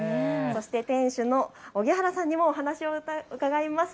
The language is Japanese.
店主の荻原さんにもお話を伺います。